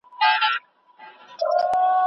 که ته غواړې رڼا زیاته کړي نو د برائټنس تڼۍ وکاروه.